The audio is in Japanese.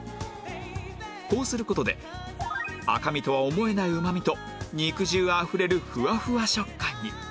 こうする事で赤身とは思えないうまみと肉汁あふれるフワフワ食感に